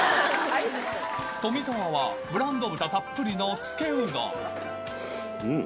富澤はブランド豚たっぷりのつけうどん。